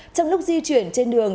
trong lúc di chuyển trên đường